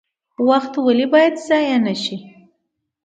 وخت ولې باید ضایع نشي؟